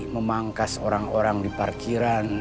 memangkas orang orang di parkiran